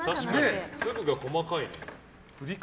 粒が細かいな。